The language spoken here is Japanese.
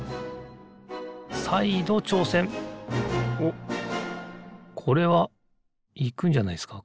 おっこれはいくんじゃないですか